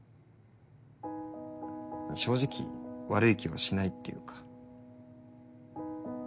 正直悪い気はしないっていうか。